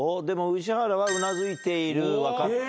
でも宇治原はうなずいている。